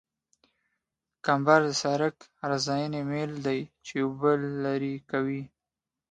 کمبر د سرک عرضاني میل دی چې اوبه لرې کوي